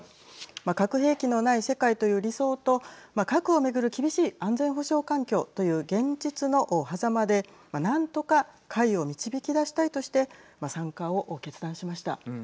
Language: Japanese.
核兵器のない世界という理想と核を巡る厳しい安全保障環境という現実のはざまで何とか解を導き出したいとして参加を決断しました。